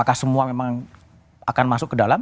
apakah semua memang akan masuk ke dalam